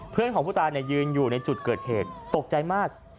เพื่อนของผู้ตายยืนอยู่ในจุดเกิดเหตุตกใจมาก